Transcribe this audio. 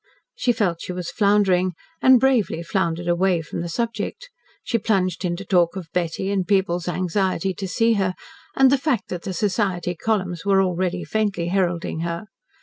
She felt she was floundering, and bravely floundered away from the subject. She plunged into talk of Betty and people's anxiety to see her, and the fact that the society columns were already faintly heralding her.